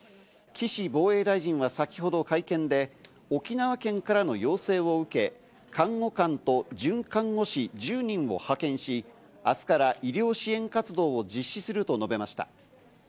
岸防衛大臣は先ほど会見で、沖縄県からの要請を受け看護官と准看護師１０人を派遣し、明日から医療支援活動を実施すると述べました。